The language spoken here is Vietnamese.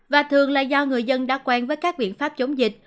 và thường là do người dân đã quen với các biện pháp chống dịch